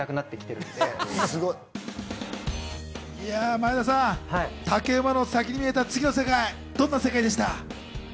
前田さん、竹馬の先に見えた次の世界、どんな世界でした？